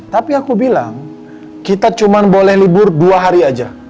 tapi aku bilang kita cuma boleh libur dua hari aja